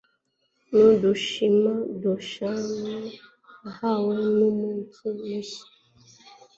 Nudushami dushya hamwe numunsi mushya